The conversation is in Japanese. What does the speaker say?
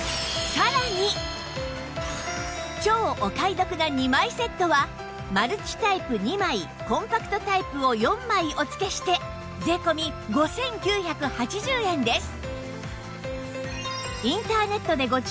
超お買い得な２枚セットはマルチタイプ２枚コンパクトタイプを４枚お付けして税込５９８０円です